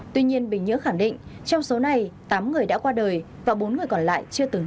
tuy nhiên bình nhưỡng khẳng định trong số này tám người đã qua đời và bốn người còn lại chưa từng